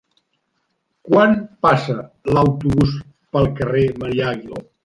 Quan passa l'autobús pel carrer Marià Aguiló?